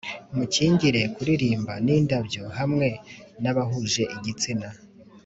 mukingire kuririmba nindabyo hamwe nabahuje igitsina